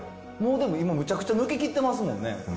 でもいいもうめちゃくちゃ抜けきってますもんね。